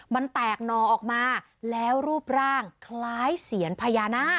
มันแตกหน่อออกมาแล้วรูปร่างคล้ายเสียนพญานาค